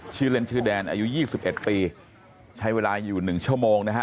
ชื่อเล่นชื่อแดนอายุ๒๑ปีใช้เวลาอยู่๑ชั่วโมงนะฮะ